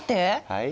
はい？